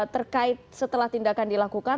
terkait setelah tindakan dilakukan